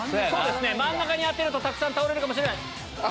真ん中に当てるとたくさん倒れるかもしれない。